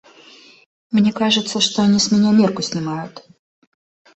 Мне кажется, что они с меня мерку снимают.